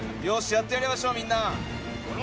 やってやりましょうみんな。